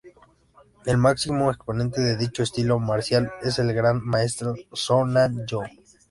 El máximo exponente de dicho estilo marcial es el gran maestro Soo Nam Yoo.